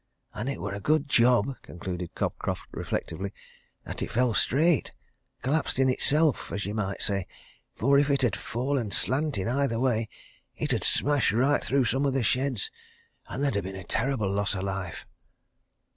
And it was a good job," concluded Cobcroft, reflectively, "that it fell straight collapsed in itself, as you might say for if it had fallen slanting either way, it 'ud ha' smashed right through some of the sheds, and there'd ha' been a terrible loss of life."